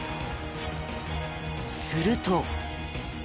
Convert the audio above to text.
すると。